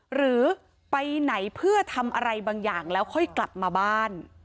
หรือไปไหนเพื่อทำอะไรบางอย่างแล้วค่อยกลับมาบ้าน